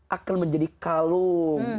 akan menjadi kalung